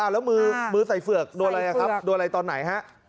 แล้วมือใส่เฝือกโดนอะไรครับโดนอะไรตอนไหนฮะ